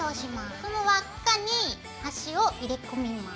その輪っかに端を入れ込みます。